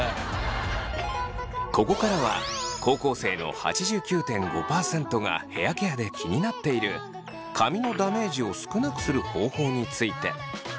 ここからは高校生の８９．５％がヘアケアで気になっている「髪のダメージを少なくする方法」について。